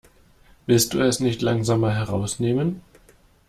Willst du es nicht langsam mal herausnehmen?